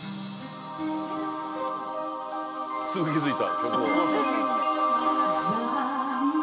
すぐ気付いた。